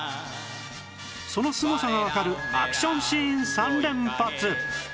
そのすごさがわかるアクションシーン３連発